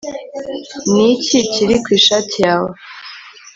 niki kiri ku ishati yawe